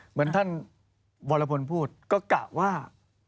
เหมือนท่านวรพลพูดก็กะว่า